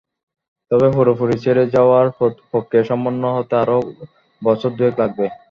তবে পুরোপুরি ছেড়ে যাওয়ার প্রক্রিয়া সম্পন্ন হতে আরও বছর দুয়েক লাগবে।